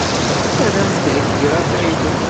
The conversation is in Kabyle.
Ad am-d-heyyiɣ afaylu.